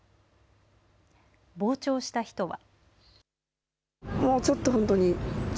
傍聴した人は。